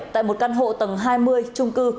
tại một căn hộ tầng hai mươi trung cư